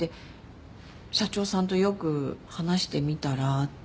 社長さんとよく話してみたらって。